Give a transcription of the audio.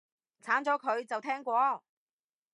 鏟咗佢，就聽過